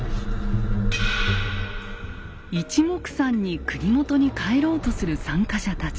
いちもくさんに国元に帰ろうとする参加者たち。